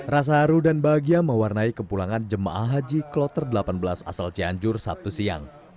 rasa haru dan bahagia mewarnai kepulangan jemaah haji kloter delapan belas asal cianjur sabtu siang